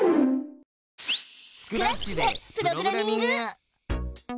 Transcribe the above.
スクラッチでプログラミング！